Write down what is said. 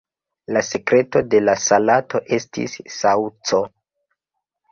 La sekreto de la salato estis saŭco.